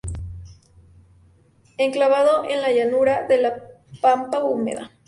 Enclavado en la llanura de la Pampa húmeda.